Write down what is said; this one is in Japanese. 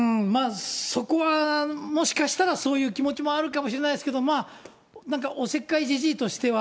そこはもしかしたらそういう気持ちもあるかもしれないですけど、なんかおせっかいじじいとしては、